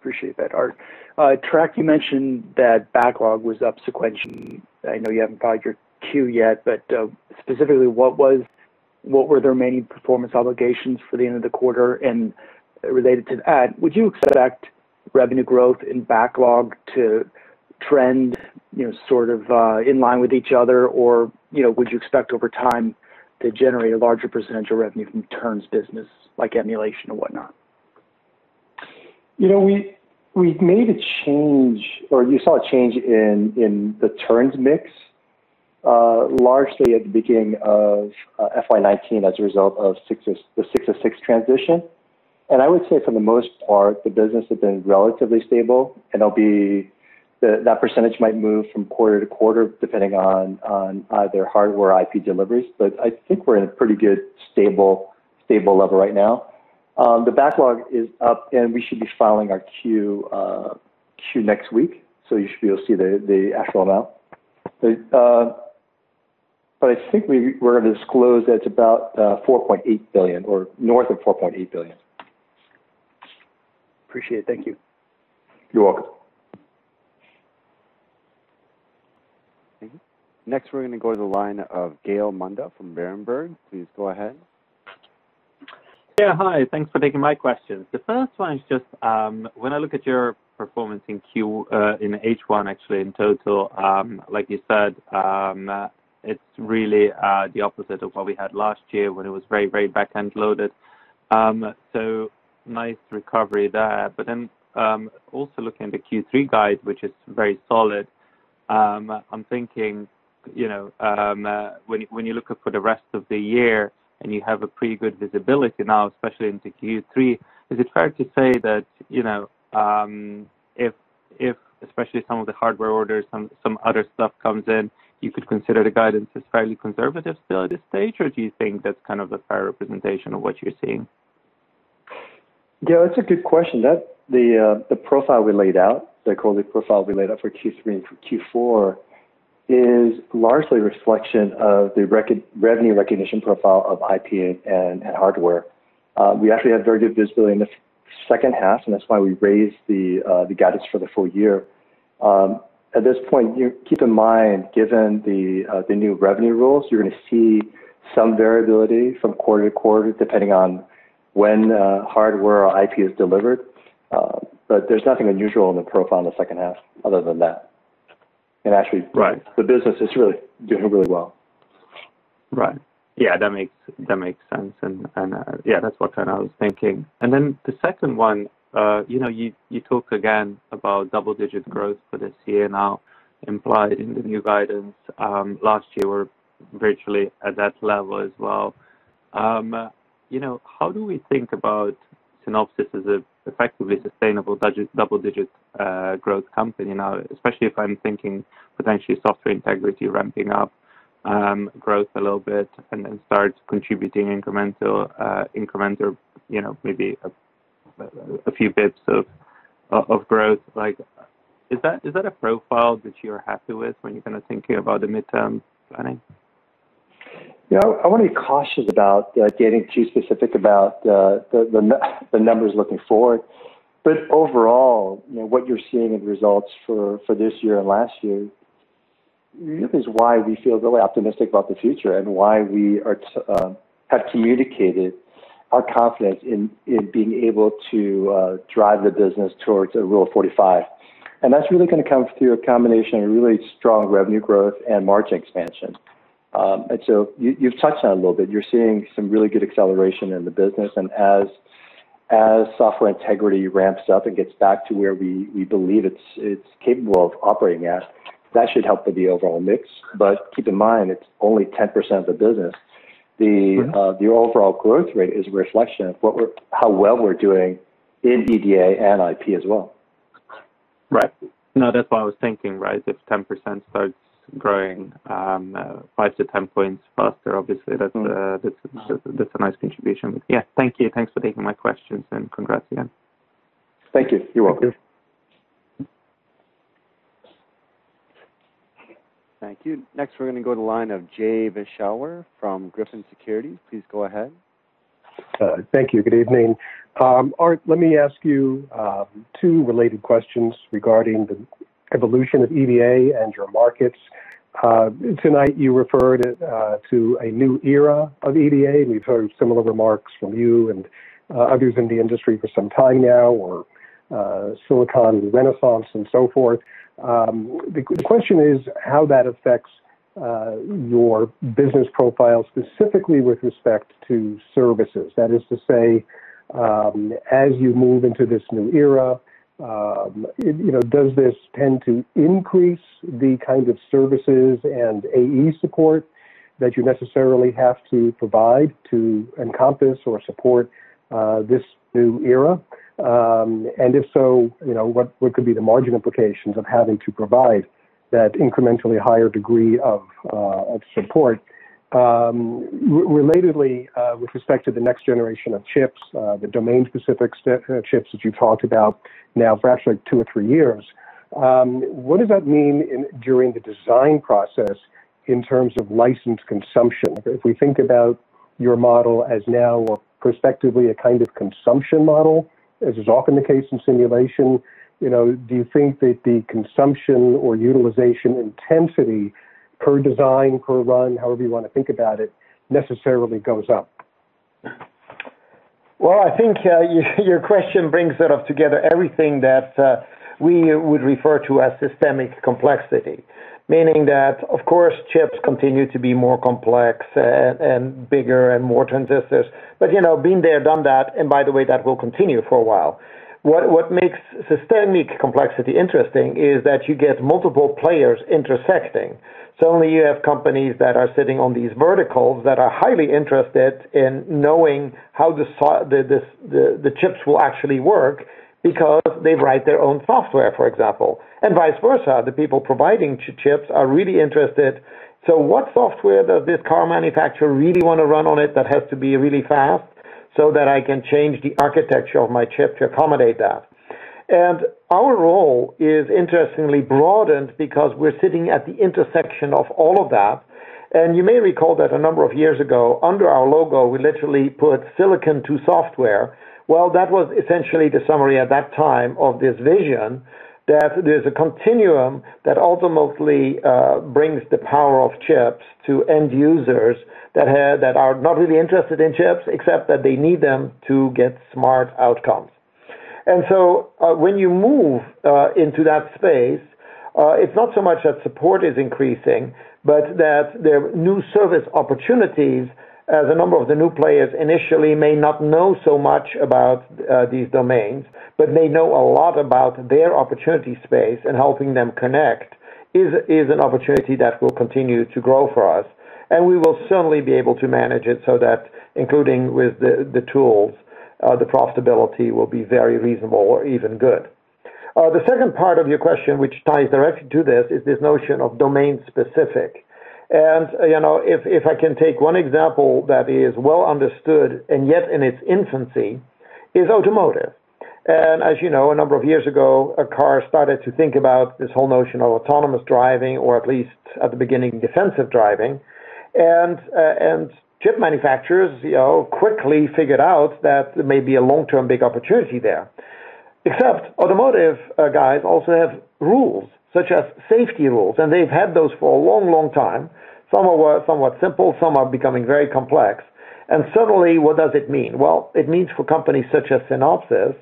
Appreciate that, Aart. Trac, you mentioned that backlog was up sequentially. I know you haven't filed your Q yet, but specifically, what were their main performance obligations for the end of the quarter? Related to that, would you expect revenue growth in backlog to trend sort of in line with each other? Or would you expect over time to generate a larger percentage of revenue from turns business, like emulation or whatnot? We made a change, or you saw a change in the turns mix, largely at the beginning of FY 2019 as a result of the 606 transition. I would say for the most part, the business has been relatively stable, and that percentage might move from quarter to quarter depending on either hardware or IP deliveries. I think we're in a pretty good, stable level right now. The backlog is up and we should be filing our Q next week, so you should be able to see the actual amount. I think we're going to disclose that it's about $4.8 billion or north of $4.8 billion. Appreciate it. Thank you. You're welcome. Thank you. Next, we're going to go to the line of Gal Munda from Berenberg. Please go ahead. Yeah. Hi, thanks for taking my questions. The first one is just when I look at your performance in H1, actually in total, like you said, it's really the opposite of what we had last year when it was very, very back-end loaded. Nice recovery there. Also looking at the Q3 guide, which is very solid, I'm thinking when you look for the rest of the year and you have a pretty good visibility now, especially into Q3, is it fair to say that if especially some of the hardware orders, some other stuff comes in, you could consider the guidance as fairly conservative still at this stage? Or do you think that's kind of a fair representation of what you're seeing? Gal, that's a good question. The profile we laid out, the quarterly profile we laid out for Q3 and Q4, is largely a reflection of the revenue recognition profile of IP and hardware. We actually have very good visibility in the second half, and that's why we raised the guidance for the full year. At this point, keep in mind, given the new revenue rules, you're going to see some variability from quarter to quarter, depending on when hardware or IP is delivered. There's nothing unusual in the profile in the second half other than that. And actually, the business is really doing really well. Right. Yeah, that makes sense. Yeah, that's what kind of I was thinking. Then the second one, you talk again about double-digit growth for this year now implied in the new guidance. Last year, we were virtually at that level as well. How do we think about Synopsys as a effectively sustainable double-digit growth company now? Especially if I'm thinking potentially software integrity ramping up growth a little bit and then starts contributing incremental, maybe a few bits of growth. Is that a profile that you're happy with when you're kind of thinking about the midterm planning? I want to be cautious about getting too specific about the numbers looking forward. Overall, what you're seeing in results for this year and last year is why we feel really optimistic about the future and why we have communicated our confidence in being able to drive the business towards a Rule of 45. That's really going to come through a combination of really strong revenue growth and margin expansion. You've touched on it a little bit. You're seeing some really good acceleration in the business, and as Software Integrity ramps up and gets back to where we believe it's capable of operating at, that should help with the overall mix. Keep in mind, it's only 10% of the business. The overall growth rate is a reflection of how well we're doing in EDA and IP as well. Right. No, that's why I was thinking, right, if 10% starts growing 5-10 points faster, obviously that's a nice contribution. Yeah. Thank you. Thanks for taking my questions. Congrats again. Thank you. You're welcome. Thank you. Next, we're going to go to the line of Jay Vleeschhouwer from Griffin Securities. Please go ahead. Thank you. Good evening. Aart, let me ask you two related questions regarding the evolution of EDA and your markets. Tonight, you referred it to a new era of EDA, and we've heard similar remarks from you and others in the industry for some time now, or silicon renaissance and so forth. The question is how that affects your business profile, specifically with respect to services. That is to say, as you move into this new era, does this tend to increase the kind of services and AE support that you necessarily have to provide to encompass or support this new era? If so, what could be the margin implications of having to provide that incrementally higher degree of support? Relatedly, with respect to the next generation of chips, the domain-specific chips that you talked about now for actually two or three years, what does that mean during the design process in terms of license consumption? If we think about your model as now prospectively a kind of consumption model, as is often the case in simulation, do you think that the consumption or utilization intensity per design, per run, however you want to think about it, necessarily goes up? Well, I think your question brings together everything that we would refer to as systemic complexity. Meaning that, of course, chips continue to be more complex and bigger and more transistors. Been there, done that, and by the way, that will continue for a while. What makes systemic complexity interesting is that you get multiple players intersecting. Suddenly, you have companies that are sitting on these verticals that are highly interested in knowing how the chips will actually work because they write their own software, for example. Vice versa, the people providing chips are really interested. What software does this car manufacturer really want to run on it that has to be really fast so that I can change the architecture of my chip to accommodate that? Our role is interestingly broadened because we're sitting at the intersection of all of that. You may recall that a number of years ago, under our logo, we literally put Silicon to Software. That was essentially the summary at that time of this vision, that there's a continuum that ultimately brings the power of chips to end users that are not really interested in chips, except that they need them to get smart outcomes. When you move into that space, it's not so much that support is increasing, but that there are new service opportunities. The number of the new players initially may not know so much about these domains, but they know a lot about their opportunity space, and helping them connect is an opportunity that will continue to grow for us. We will certainly be able to manage it so that including with the tools, the profitability will be very reasonable or even good. The second part of your question, which ties directly to this, is this notion of domain-specific. If I can take one example that is well-understood and yet in its infancy, is automotive. As you know, a number of years ago, cars started to think about this whole notion of autonomous driving, or at least at the beginning, defensive driving. Chip manufacturers quickly figured out that there may be a long-term big opportunity there. Automotive guys also have rules, such as safety rules, and they've had those for a long, long time. Some are somewhat simple, some are becoming very complex. Suddenly, what does it mean? It means for companies such as Synopsys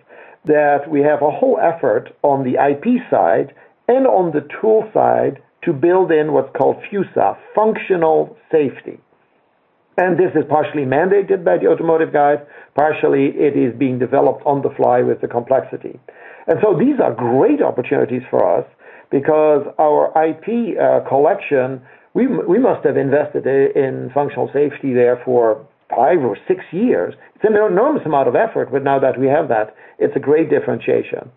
that we have a whole effort on the IP side and on the tool side to build in what's called FuSa, Functional Safety. This is partially mandated by the automotive guys, partially it is being developed on the fly with the complexity. These are great opportunities for us because our IP collection, we must have invested in Functional Safety there for five or six years. It's an enormous amount of effort, but now that we have that, it's a great differentiation.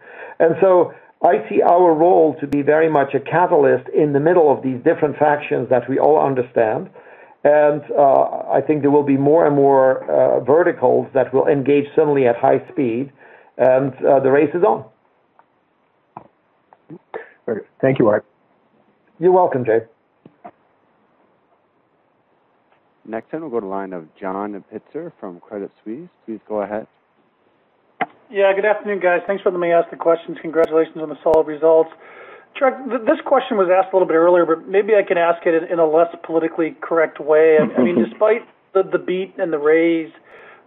I see our role to be very much a catalyst in the middle of these different factions that we all understand. I think there will be more and more verticals that will engage suddenly at high speed, and the race is on. Thank you, Aart. You're welcome, Jay. Next, I'll go to line of John Pitzer from Credit Suisse. Please go ahead. Good afternoon, guys. Thanks for letting me ask the question. Congratulations on the solid results. Trac, this question was asked a little bit earlier, but maybe I can ask it in a less politically correct way. I mean, despite the beat and the raise,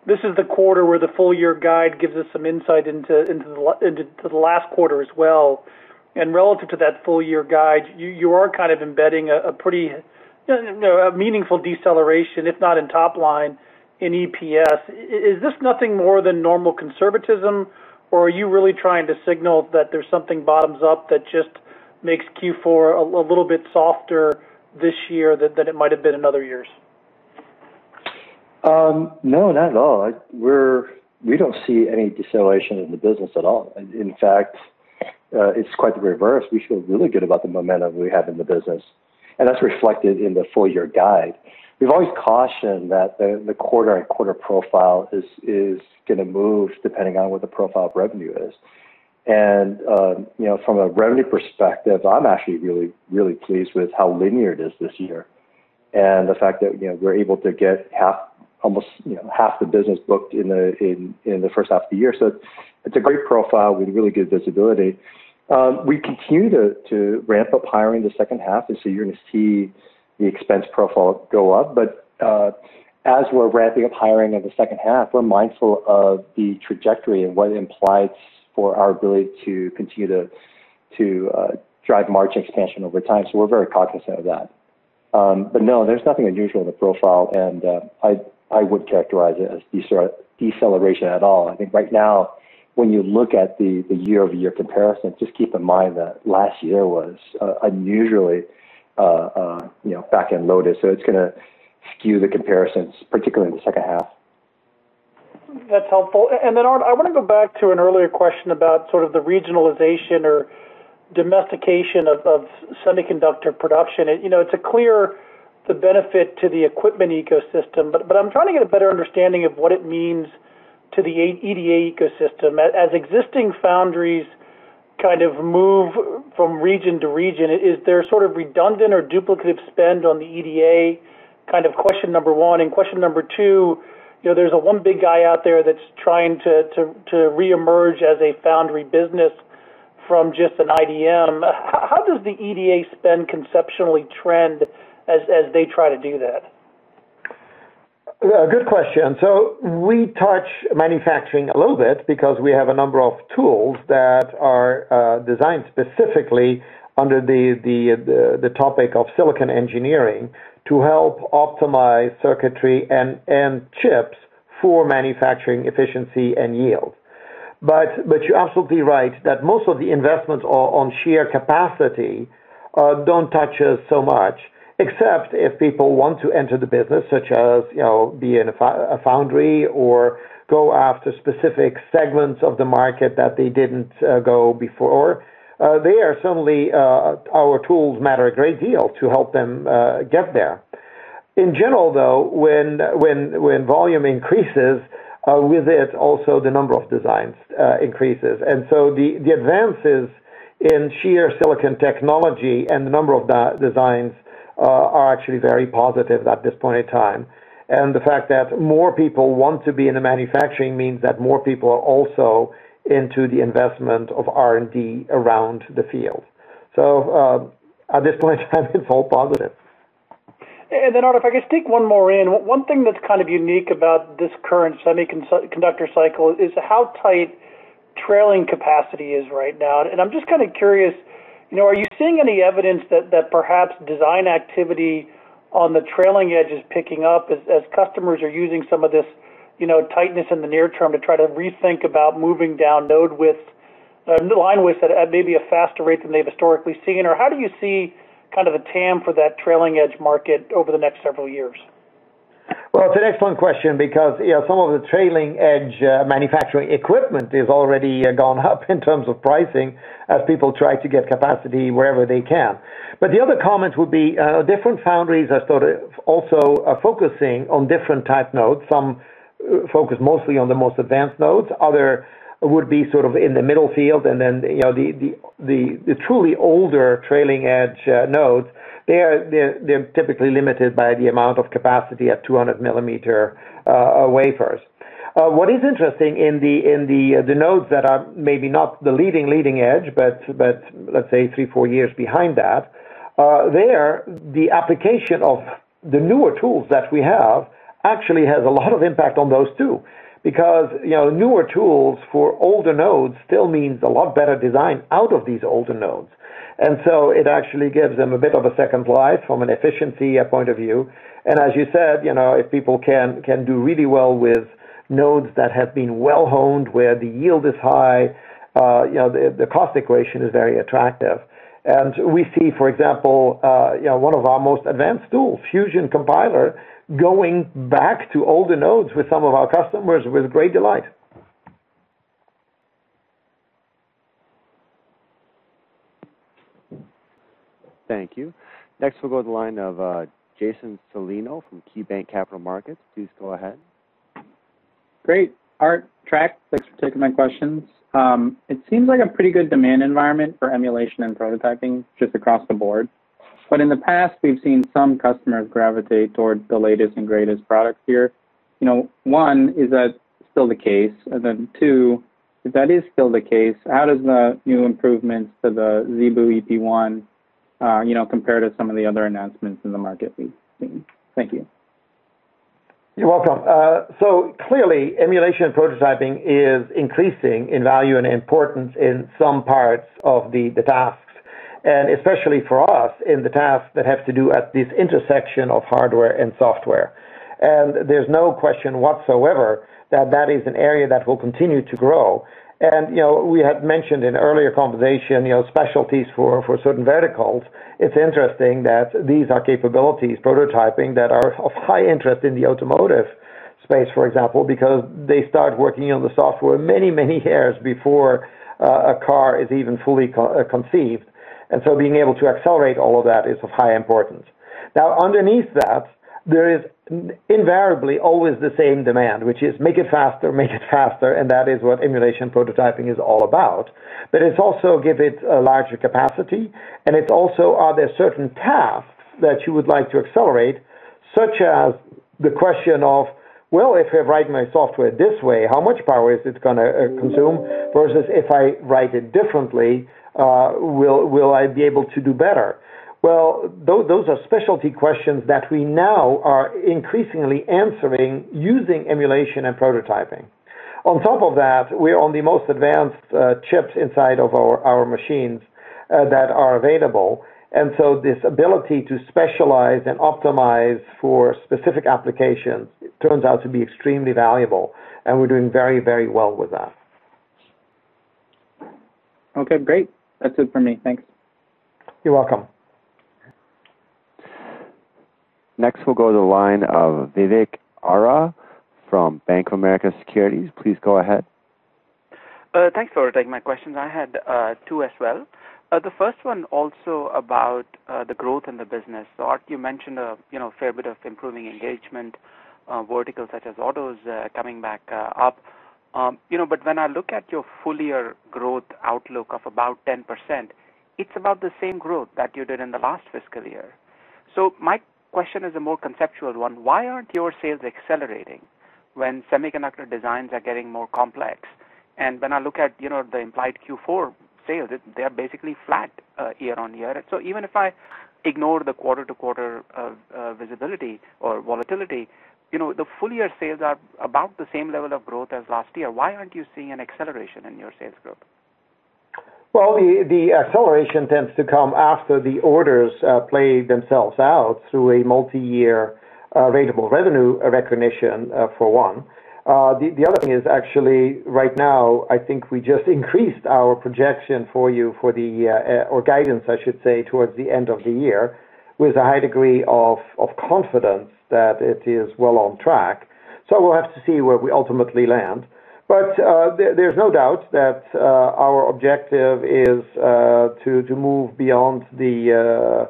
this is the quarter where the full-year guide gives us some insight into the last quarter as well. Relative to that full-year guide, you are kind of embedding a pretty meaningful deceleration, if not in top line, in EPS. Is this nothing more than normal conservatism, or are you really trying to signal that there's something bottoms-up that just makes Q4 a little bit softer this year than it might have been in other years? No, not at all. We don't see any deceleration in the business at all. In fact, it's quite the reverse. We feel really good about the momentum we have in the business, and that's reflected in the full-year guide. We've always cautioned that the quarter-on-quarter profile is going to move depending on what the profile of revenue is. From a revenue perspective, I'm actually really pleased with how linear it is this year and the fact that we're able to get almost half the business booked in the first half of the year. It's a great profile with really good visibility. We continue to ramp up hiring in the second half, you're going to see the expense profile go up. As we're ramping up hiring in the second half, we're mindful of the trajectory and what it implies for our ability to continue to drive margin expansion over time. We're very cognizant of that. No, there's nothing unusual in the profile, and I wouldn't characterize it as deceleration at all. I think right now, when you look at the year-over-year comparison, just keep in mind that last year was unusually back-end loaded, so it's going to skew the comparisons, particularly in the second half. That's helpful. Aart, I want to go back to an earlier question about sort of the regionalization or domestication of semiconductor production. It's clear the benefit to the equipment ecosystem, but I'm trying to get a better understanding of what it means to the EDA ecosystem. As existing foundries kind of move from region to region, is there sort of redundant or duplicative spend on the EDA? Kind of question number one, and question number two, there's one big guy out there that's trying to reemerge as a foundry business from just an IDM. How does the EDA spend conceptually trend as they try to do that? Good question. We touch manufacturing a little bit because we have a number of tools that are designed specifically under the topic of silicon engineering to help optimize circuitry and chips for manufacturing efficiency and yield. You're absolutely right, that most of the investments are on sheer capacity don't touch us so much, except if people want to enter the business such as, being a foundry or go after specific segments of the market that they didn't go before. There certainly our tools matter a great deal to help them get there. In general, though, when volume increases, with it also the number of designs increases. The advances in sheer silicon technology and the number of designs are actually very positive at this point in time. The fact that more people want to be in the manufacturing means that more people are also into the investment of R&D around the field. At this point in time, it's all positive. Then Aart, if I could sneak one more in. One thing that's kind of unique about this current semiconductor cycle is how tight trailing capacity is right now. I'm just kind of curious, are you seeing any evidence that perhaps design activity on the trailing edge is picking up as customers are using some of this tightness in the near-term to try to rethink about moving down node widths, new line widths at maybe a faster rate than they've historically seen? How do you see kind of a TAM for that trailing edge market over the next several years? It's an excellent question because some of the trailing edge manufacturing equipment has already gone up in terms of pricing as people try to get capacity wherever they can. The other comment would be different foundries are sort of also focusing on different type nodes. Some focus mostly on the most advanced nodes, others would be sort of in the middle field, and then the truly older trailing edge nodes, they're typically limited by the amount of capacity at 200 mm wafers. What is interesting in the nodes that are maybe not the leading edge, but let's say three, four years behind that, there the application of the newer tools that we have actually has a lot of impact on those, too, because newer tools for older nodes still means a lot better design out of these older nodes. It actually gives them a bit of a second life from an efficiency point of view. As you said, if people can do really well with nodes that have been well-honed, where the yield is high, the cost equation is very attractive. We see, for example, one of our most advanced tools, Fusion Compiler, going back to older nodes with some of our customers with great delight. Thank you. Next we'll go to the line of Jason Celino from KeyBanc Capital Markets. Please go ahead. Great. Aart, Trac, thanks for taking my questions. It seems like a pretty good demand environment for emulation and prototyping just across the board. In the past, we've seen some customers gravitate towards the latest and greatest product here. One, is that still the case? Two, if that is still the case, how does the new improvements to the ZeBu EP1 compare to some of the other announcements in the market we've seen? Thank you. You're welcome. Clearly emulation and prototyping is increasing in value and importance in some parts of the tasks, and especially for us in the tasks that have to do at this intersection of hardware and software. There's no question whatsoever that that is an area that will continue to grow. We had mentioned in earlier conversation, specialties for certain verticals. It's interesting that these are capabilities, prototyping, that are of high interest in the automotive space, for example, because they start working on the software many, many years before a car is even fully conceived. Being able to accelerate all of that is of high importance. Now underneath that, there is invariably always the same demand, which is make it faster, make it faster, and that is what emulation prototyping is all about. It's also give it a larger capacity, and it's also are there certain tasks that you would like to accelerate, such as the question of, "Well, if I write my software this way, how much power is it going to consume? Versus if I write it differently, will I be able to do better?" Well, those are specialty questions that we now are increasingly answering using emulation and prototyping. On top of that, we are on the most advanced chips inside of our machines that are available. This ability to specialize and optimize for specific applications turns out to be extremely valuable, and we're doing very, very well with that. Okay, great. That's it for me. Thanks. You're welcome. Next, we'll go to the line of Vivek Arya from Bank of America Securities. Please go ahead. Thanks for taking my questions. I had two as well. The first one also about the growth in the business. Aart, you mentioned a fair bit of improving engagement, verticals such as autos coming back up. When I look at your full year growth outlook of about 10%, it's about the same growth that you did in the last fiscal year. My question is a more conceptual one. Why aren't your sales accelerating when semiconductor designs are getting more complex? When I look at the implied Q4 sales, they are basically flat year-on-year. Even if I ignore the quarter-to-quarter visibility or volatility, the full year sales are about the same level of growth as last year. Why aren't you seeing an acceleration in your sales growth? Well, the acceleration tends to come after the orders play themselves out through a multi-year available revenue recognition for one. The other thing is actually right now, I think we just increased our projection for you for the, or guidance I should say, towards the end of the year with a high degree of confidence that it is well on track. We'll have to see where we ultimately land. There's no doubt that our objective is to move beyond the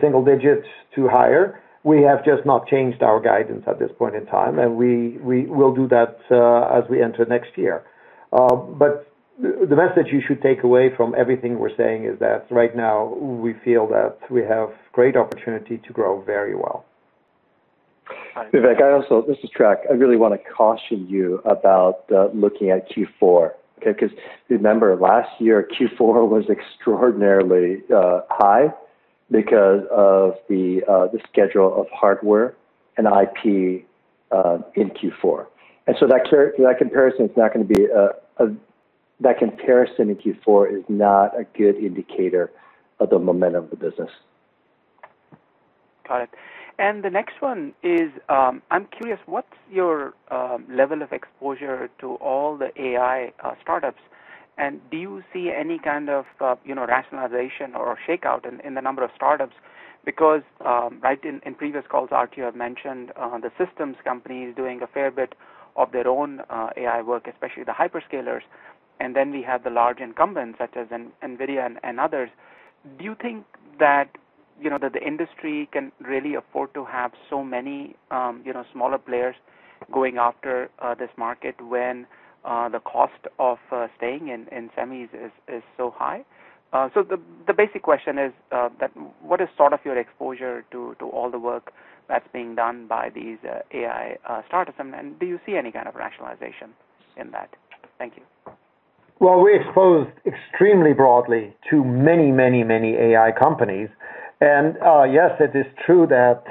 single digits to higher. We have just not changed our guidance at this point in time, and we'll do that as we enter next year. The message you should take away from everything we're saying is that right now we feel that we have great opportunity to grow very well. Vivek, I also, this is Trac, I really want to caution you about looking at Q4, okay? Because remember last year Q4 was extraordinarily high because of the schedule of hardware and IP in Q4. That comparison in Q4 is not a good indicator of the momentum of the business. Got it. The next one is, I'm curious, what's your level of exposure to all the AI start-ups, and do you see any kind of rationalization or shakeout in the number of start-ups? Because, right, in previous calls, Aart, you have mentioned the systems companies doing a fair bit of their own AI work, especially the hyperscalers, and then we have the large incumbents such as NVIDIA and others. Do you think that the industry can really afford to have so many smaller players going after this market when the cost of staying in semis is so high? The basic question is that what is sort of your exposure to all the work that's being done by these AI start-ups, and do you see any kind of rationalization in that? Thank you. Well, we exposed extremely broadly to many, many, many AI companies and yes, it is true that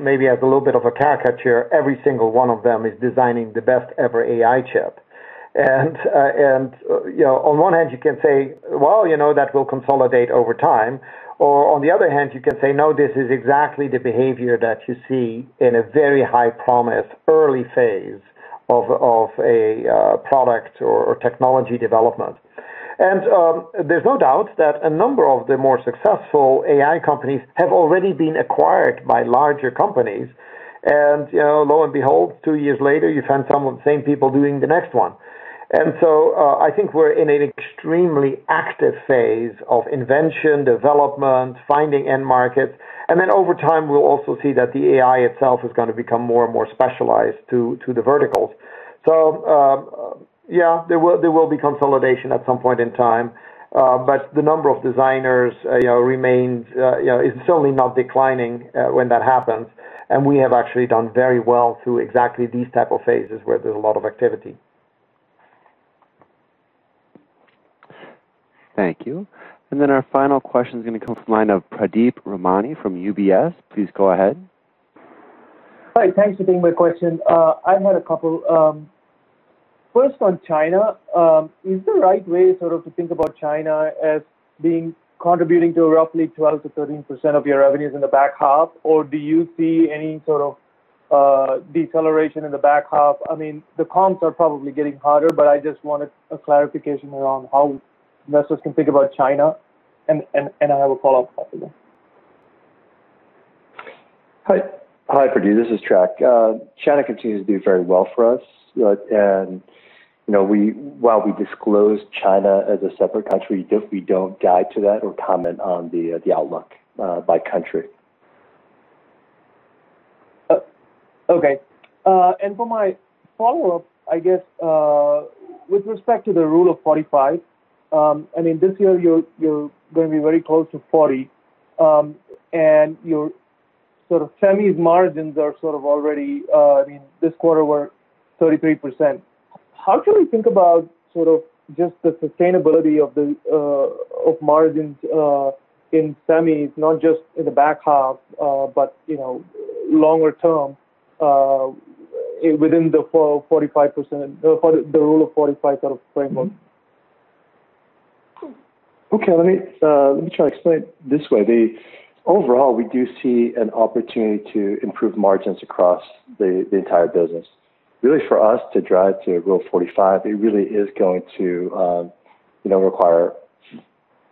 maybe as a little bit of a caricature, every single one of them is designing the best ever AI chip. On one hand, you can say, "Well, that will consolidate over time." On the other hand, you can say, "No, this is exactly the behavior that you see in a very high promise early phase of a product or technology development." There's no doubt that a number of the more successful AI companies have already been acquired by larger companies. Lo and behold, two years later, you find some of the same people doing the next one. I think we're in an extremely active phase of invention development, finding end markets, then over time, we'll also see that the AI itself is going to become more and more specialized to the verticals. Yeah, there will be consolidation at some point in time. The number of designers is certainly not declining when that happens. We have actually done very well through exactly these type of phases where there's a lot of activity. Thank you. Our final question is going to come from the line of Pradeep Ramani from UBS. Please go ahead. Hi, thanks for taking my question. I had a couple. First on China, is the right way sort of to think about China as being contributing to roughly 12%-13% of your revenues in the back half, or do you see any sort of deceleration in the back half? The comps are probably getting harder, but I just wanted a clarification around how investors can think about China and I have a follow-up after that. Hi, Pradeep, this is Trac. China continues to do very well for us. While we disclose China as a separate country, we don't guide to that or comment on the outlook by country. Okay. For my follow-up, I guess with respect to the Rule of 45, and this year you're going to be very close to 40%, and your sort of semis margins this quarter were 33%. How should we think about sort of just the sustainability of margins in semis, not just in the back half but longer term, within the Rule of 45 framework? Okay. Let me try to explain it this way. Overall, we do see an opportunity to improve margins across the entire business. Really, for us to drive to Rule of 45, it really is going to require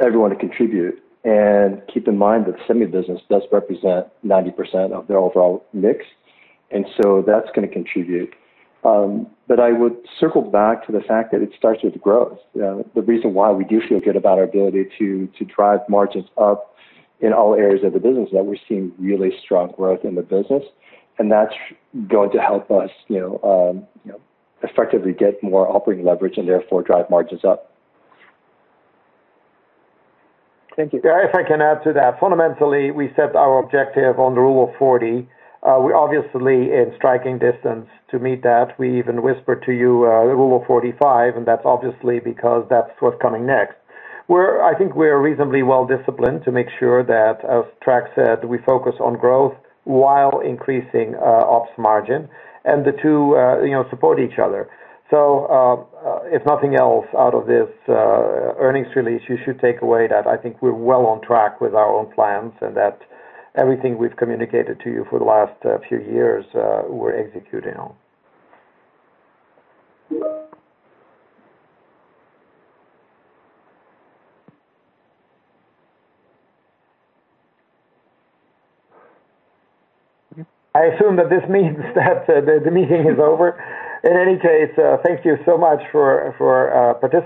everyone to contribute. Keep in mind that the semi business does represent 90% of the overall mix, and so that's going to contribute. I would circle back to the fact that it starts with growth. The reason why we do feel good about our ability to drive margins up in all areas of the business is that we're seeing really strong growth in the business, and that's going to help us effectively get more operating leverage and therefore drive margins up. Thank you. If I can add to that, fundamentally, we set our objective on the Rule of 40. We're obviously in striking distance to meet that. We even whispered to you Rule of 45. That's obviously because that's what's coming next. I think we are reasonably well-disciplined to make sure that, as Trac said, we focus on growth while increasing ops margin. The two support each other. If nothing else out of this earnings release, you should take away that I think we're well on track with our own plans and that everything we've communicated to you for the last few years, we're executing on. I assume that this means that the meeting is over. In any case, thank you so much for participating.